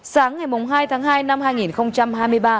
sáng ngày hai tháng hai năm hai nghìn hai mươi ba